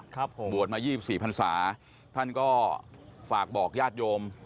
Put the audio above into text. ครับผมบวชมายี่สิบสี่พันศาท่านก็ฝากบอกญาติโยม